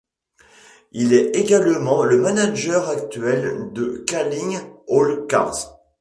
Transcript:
Il est également le manager actuel de Calling All Cars.